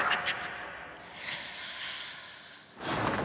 あっ！